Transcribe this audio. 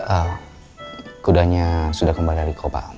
eh kudanya sudah kembali dari kau pak